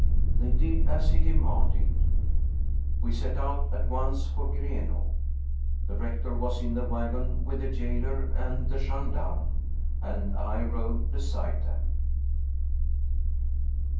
They did as he demanded. We set out at once for Grenaa. The rector was in the wagon with the jailer and the gendarme, and I rode be side them.